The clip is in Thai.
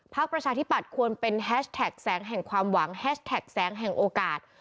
ประชาธิปัตย์ควรเป็นแฮชแท็กแสงแห่งความหวังแฮชแท็กแสงแห่งโอกาส